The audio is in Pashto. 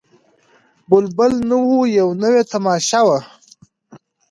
بلبل نه وو یوه نوې تماشه وه